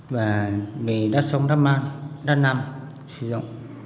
và về đất sông đắk man đất nam sử dụng